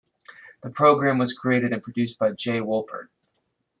The program was created and produced by Jay Wolpert.